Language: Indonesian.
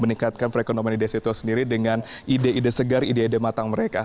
meningkatkan perekonomian di desa itu sendiri dengan ide ide segar ide ide matang mereka